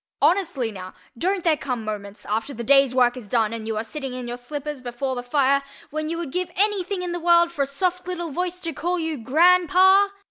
Honestly, now, don't there come moments, after the day's work is done and you are sitting in your slippers before the fire, when you would give any thing in the world for a soft little voice to call you GRANDPA?